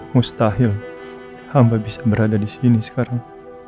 mustahil hamba bisa berada disini sekarang